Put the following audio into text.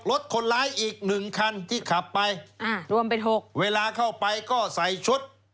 รถคนร้ายอีกหนึ่งคันที่ขับไปอ่ารวมเป็นหกเวลาเข้าไปก็ใส่ชุด